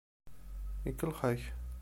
Ikellex-ak.